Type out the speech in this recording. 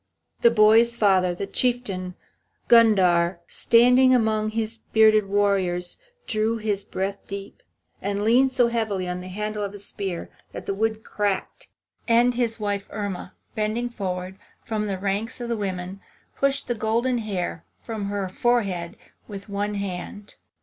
The boy's father, the Chieftain Gundhar, standing among his bearded warriors, drew his breath deep, and leaned so heavily on the handle of his spear that the wood cracked. And his wife, Irma, bending forward from the ranks of women, pushed the golden hair from her forehead with one hand.